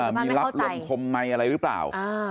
มีลักษณ์เริ่มคมใหม่อะไรหรือเปล่า